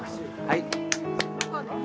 はい。